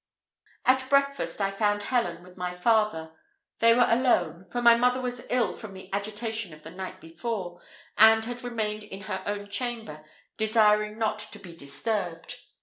At breakfast, I found Helen with my father. They were alone; for my mother was ill from the agitation of the night before, and had remained in her own chamber, desiring not to be disturbed.